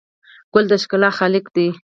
ګل د ښکلا خالق دی.